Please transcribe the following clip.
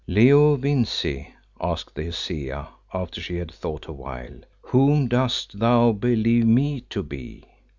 "Leo Vincey," asked the Hesea, after she had thought awhile, "whom dost thou believe me to be?"